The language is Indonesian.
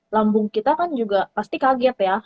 lambung kita kan juga pasti kaget ya